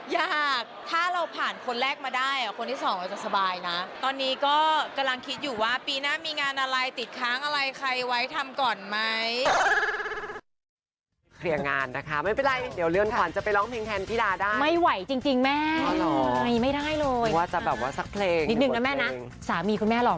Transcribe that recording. หากถ้าเราผ่านคนแรกมาได้คนที่สองเราจะสบายนะตอนนี้ก็กำลังคิดอยู่ว่าปีหน้ามีงานอะไรติดค้างอะไรใครไว้ทำก่อนไหม